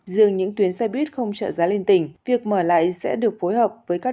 riêng những tuyến xe buýt không trợ giá lên tỉnh việc mở lại sẽ được phối hợp với các